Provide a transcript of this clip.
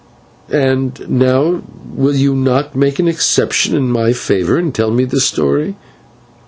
"And now will you not make an exception in my favour, and tell me the story?"